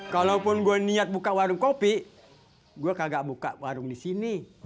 kalaupun gue niat buka warung kopi gue kagak buka warung di sini